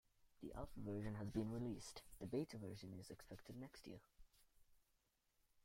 The alpha version has been released, the beta version is expected next year.